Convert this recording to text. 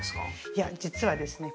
いや実はですね